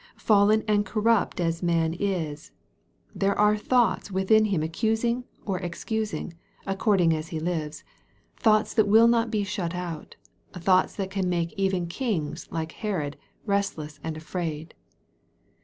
Fallen and corrupt as man is, there are 118 EXPOSITORY THOUGHTS. thoughts within him accusing or excusing, according as he lives 'thoughts that will not be shut out thoughts that can .make even kings, like Herod, restless and afraid.